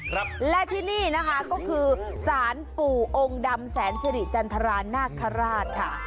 ครับและที่นี่นะคะก็คือสารปู่องค์ดำแสนสิริจันทรานาคาราชค่ะ